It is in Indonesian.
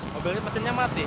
mobilnya pesannya mati